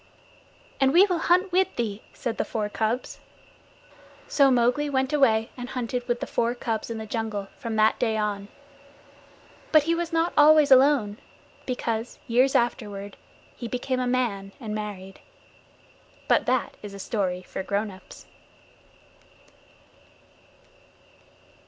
"And we will hunt with thee," said the four cubs. So Mowgli went away and hunted with the four cubs in the jungle from that day on. But he was not always alone, because, years afterward, he became a man and married. But that is a story for grown ups.